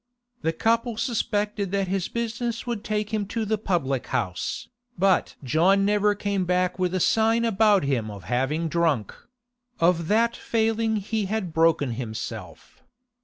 The couple suspected that his business would take him to the public house, but John never came back with a sign about him of having drunk; of that failing he had broken himself.